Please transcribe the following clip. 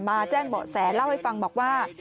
แจ้งเบาะแสเล่าให้ฟังบอกว่า